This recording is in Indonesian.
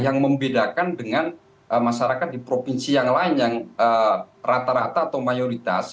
yang membedakan dengan masyarakat di provinsi yang lain yang rata rata atau mayoritas